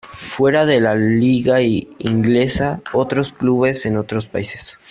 Fuera de la liga inglesa, otros clubes en otros países;